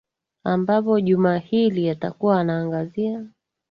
ambapo juma hili atakuwa anaangazia